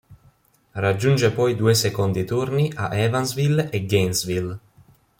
Raggiunge poi due secondi turni a Evansville e Gainesville.